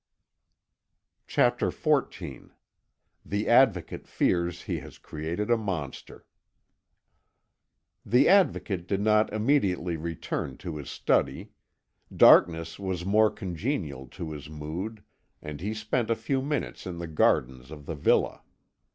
CHAPTER XIV THE ADVOCATE FEARS HE HAS CREATED A MONSTER The Advocate did not immediately return to his study. Darkness was more congenial to his mood, and he spent a few minutes in the gardens of the villa.